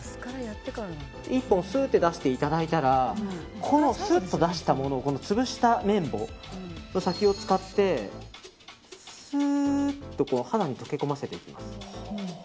１本スーって出していただいたらすっと出したもの潰した綿棒の先を使ってスーッと肌に溶け込ませていきます。